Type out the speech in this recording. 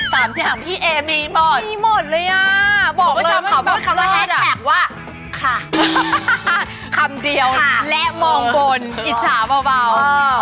สามอย่างพี่เอมีหมดเลยอ่ะบอกเลยมันบับเลิศอ่ะค่ะว่าคำเดียวและมองบนอิจฉาเบา